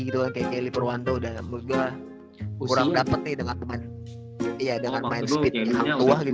gitu kayak kelly perwanto udah udah kurang dapet nih dengan teman teman